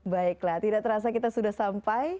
baiklah tidak terasa kita sudah sampai